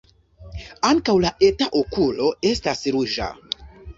Ankaŭ la eta okulo estas ruĝa.